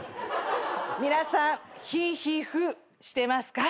皆さん「ヒイヒイフー」してますか？